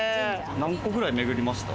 何個ぐらい巡りました？